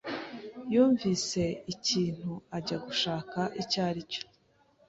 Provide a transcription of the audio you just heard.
yumvise ikintu ajya gushaka icyo aricyo.